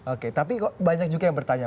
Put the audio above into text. oke tapi kok banyak juga yang bertanya